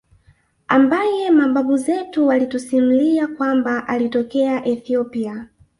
ambeye mababu zetu walitusimulia kwamba alitokea Ethiopia